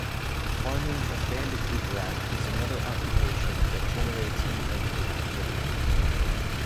Farming of bandicoot rat is another occupation that generates income for the community.